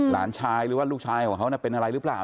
หลานชายหรือว่าลูกชายของเขาเป็นอะไรหรือเปล่า